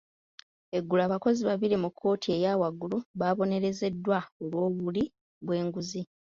Eggulo abakozi babiri ku kkooti eya waggulu baabonerezeddwa olw'obuli bw'enguzi.